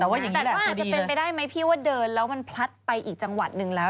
แต่ว่าอาจจะเป็นไปได้ไหมพี่ว่าเดินแล้วมันพลัดไปอีกจังหวัดหนึ่งแล้ว